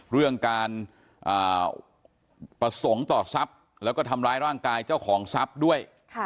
เรื่องการประสงค์ต่อทรัพย์แล้วก็ทำร้ายร่างกายเจ้าของทรัพย์ด้วย